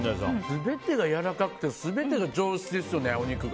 全てがやわらかくて全てが上質ですよね、お肉が。